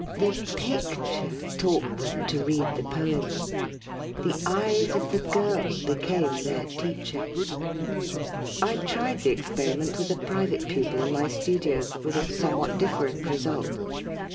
The picture taught them to read the poem. The eyes of the girl be 114 LYR1G POETRY came their teacher. I tried the experiment, with a private pupil in my studio, with a somewhat different result.